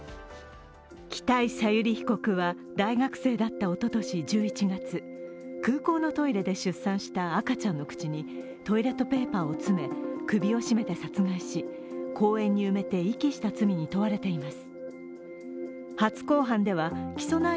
北井小由里被告は大学生だったおととし１１月、空港のトイレで出産した赤ちゃんの口に、トイレットペーパーを詰め、首を絞めて殺害し、公園に埋めて遺棄した罪に問われています。